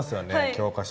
教科書に。